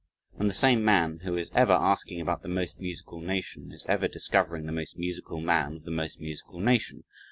And the same man who is ever asking about the most musical nation, is ever discovering the most musical man of the most musical nation.